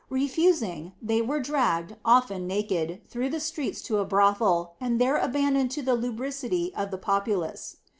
Refusing, they were dragged, often naked, through the streets to a brothel, and there abandoned to the lubricity of the populace.